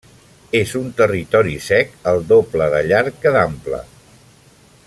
És un territori sec el doble de llarg que d'ample.